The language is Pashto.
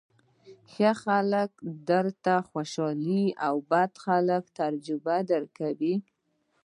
ښه خلک درته خوشالۍ او بد خلک تجربې درکوي.